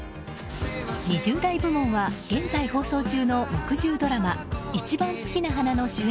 ２０代部門は現在、放送中の木１０ドラマ「いちばんすきな花」の主演